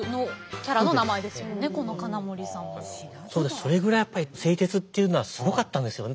それぐらいやっぱり製鉄っていうのはすごかったんですよね